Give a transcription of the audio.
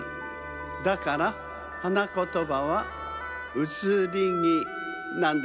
だからはなことばは「うつりぎ」なんですって。